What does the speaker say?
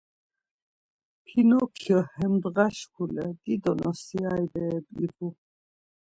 Pinokyo hem ndğa şkule dido nosiari bere ivu.